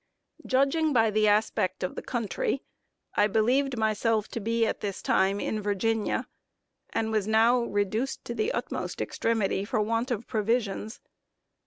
Judging by the aspect of the country, I believed myself to be at this time in Virginia; and was now reduced to the utmost extremity for want of provisions.